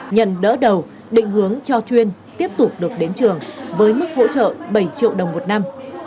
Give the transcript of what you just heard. nhận đỡ đầu định hướng cho chuyên tiếp tục được đến trường với mức hỗ trợ bảy triệu đồng một năm